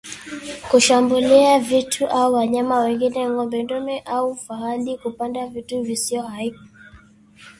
Kushambulia vitu au wanyama wengine ng'ombe dume au fahali kupanda vitu visivyo hai